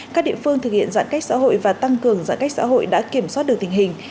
các địa phương thực hiện giãn cách xã hội và tăng cường giãn cách xã hội đã kiểm soát được tình hình